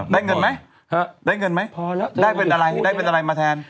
ได้เงินไหมได้เงินไหมพอแล้วได้เป็นอะไรได้เป็นอะไรมาแทน